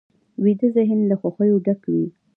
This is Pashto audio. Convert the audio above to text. ویده ذهن له خوښیو ډک وي